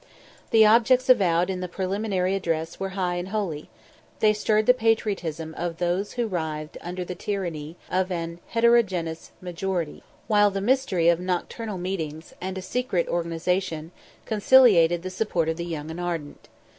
The objects avowed in the preliminary address were high and holy; they stirred the patriotism of those who writhed under the tyranny of an heterogeneous majority, while the mystery of nocturnal meetings, and a secret organization, conciliated the support of the young and ardent.